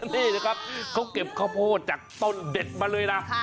นี่นะครับเขาเก็บข้าวโพดจากต้นเด็ดมาเลยนะ